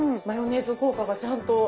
マヨネーズ効果がちゃんと。